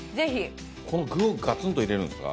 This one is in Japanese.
この具をガツンと入れるんですか？